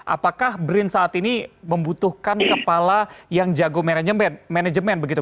apakah brin saat ini membutuhkan kepala yang jago manajemen begitu